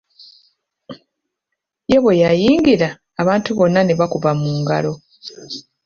Ye bwe yayingira, abantu bonna ne bakuba mu ngalo.